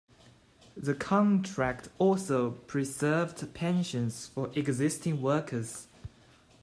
The contract also preserved pensions for existing workers.